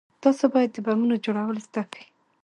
تاسې بايد د بمونو جوړول زده كئ.